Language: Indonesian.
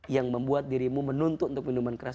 yang membuat dirimu menuntut untuk minuman keras